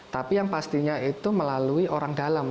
tapi yang pastinya itu melalui orang dalam